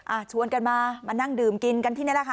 ชวนกันมามานั่งดื่มกินกันที่นี่แหละค่ะ